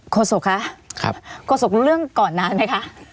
โศกคะโฆษกรู้เรื่องก่อนนานไหมคะ